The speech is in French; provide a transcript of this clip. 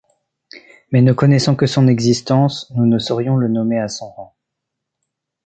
Mais ne connaissant que son existence, nous ne saurions le nommer à son rang.